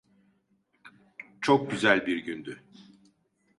Çok güzel bir gündü.